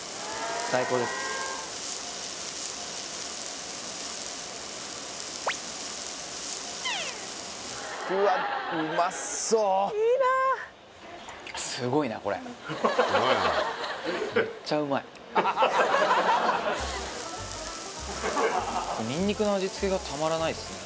最高ですにんにくの味付けがたまらないっすね